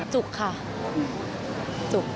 จุกค่ะจุก